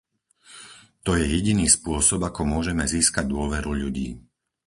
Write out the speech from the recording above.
To je jediný spôsob ako môžeme získať dôveru ľudí.